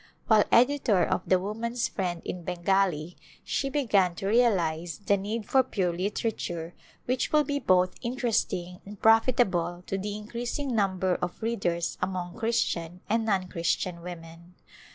While editor of the Woman s Friend in Bengali she began to Return to India realize the need for pure literature which will be both interesting and prolitahlcj to the increasing num ber of readers among Christian and non Christian women.